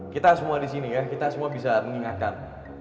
kita semua di sini ya kita semua bisa mengingatkan